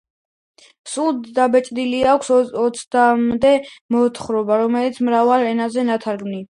სულ დაბეჭდილი აქვს ოცამდე მოთხრობა, რომელიც მრავალ ენაზეა ნათარგმნი.